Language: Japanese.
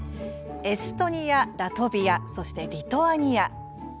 エストニア、ラトビアそしてリトアニア。